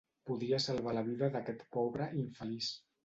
Podries salvar la vida d'aquest pobre infeliç.